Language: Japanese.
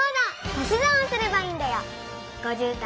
足し算をすればいいんだよ。